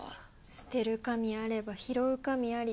捨てる神あれば拾う神あり。